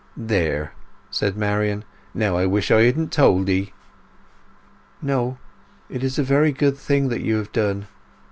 "There!" said Marian. "Now I wish I hadn't told 'ee!" "No. It is a very good thing that you have done!